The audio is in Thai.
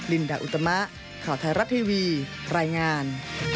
ลินดาอุตมะข่าวไทยรัฐทีวีรายงาน